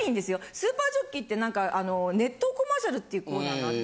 『スーパーＪＯＣＫＥＹ』ってなんかあの熱湯コマーシャルっていうコーナーがあって。